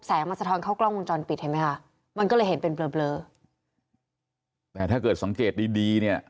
มันสะท้อนเข้ากล้องวงจรปิดเห็นไหมคะมันก็เลยเห็นเป็นเบลอแต่ถ้าเกิดสังเกตดีดีเนี่ย